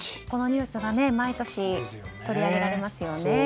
このニュースが毎年、取り上げられますよね。